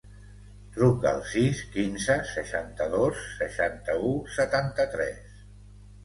Truca al sis, quinze, seixanta-dos, seixanta-u, setanta-tres.